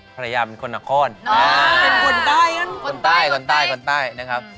ภรรยาเป็นคนนครอ๋อเป็นคนใต้นั้นคนใต้นะครับ